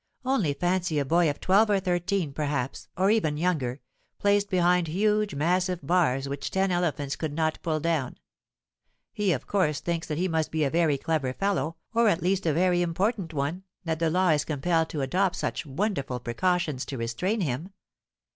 Only fancy a boy of twelve or thirteen, perhaps,—or even younger,—placed behind huge massive bars which ten elephants could not pull down! He of course thinks that he must be a very clever fellow, or at least a very important one, that the law is compelled to adopt such wonderful precautions to restrain him.